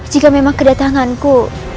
jika memang kedatanganku